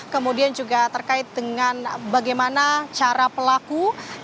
kemudian juga terkait dengan bagaimana cara pelaku